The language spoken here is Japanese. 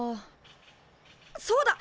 そうだ！